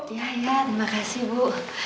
iya iya terima kasih bu